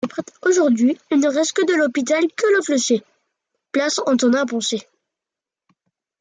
Aujourd’hui, il ne reste de l’hôpital que le clocher, place Antonin-Poncet.